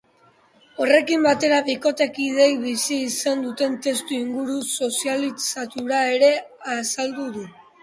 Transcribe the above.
Horrekin batera, bikotekideek bizi izan duten testuinguru soziokulturala ere azaldu du.